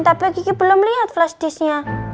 tapi kiki belum liat flashdisk nya